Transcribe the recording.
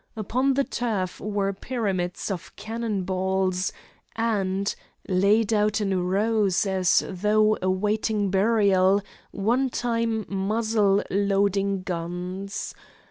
Upon the turf were pyramids of cannon balls and, laid out in rows as though awaiting burial, old time muzzle loading guns.